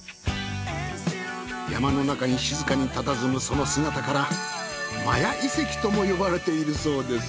山の中に静かにたたずむその姿からマヤ遺跡とも呼ばれているそうです。